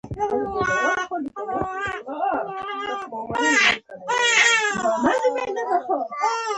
تاسې هم یرغل کوئ او هم ډوډۍ راکوئ